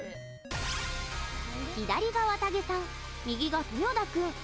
左がわたげさん、右が豊田君。